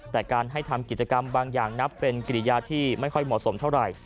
แต่การให้ทำกิจกรรมบางอย่างนับเป็นกิริยาที่ไม่ค่อยเหมาะสมเท่าไหร่